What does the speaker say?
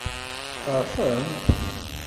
Tfeṛḥem?